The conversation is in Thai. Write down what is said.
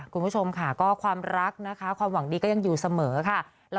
คุณผู้ชมค่ะก็ความรักนะคะความหวังดีก็ยังอยู่เสมอค่ะ